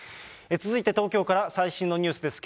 続いて東京から最新のニュースです。